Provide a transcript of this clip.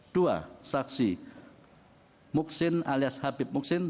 dua saksi muksin alias habib muksin